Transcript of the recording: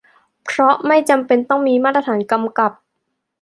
เพราะไม่จำเป็นต้องมีมาตรฐานกำกับ